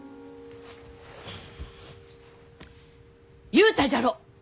言うたじゃろ！